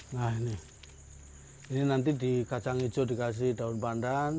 nah ini ini nanti di kacang hijau dikasih daun pandan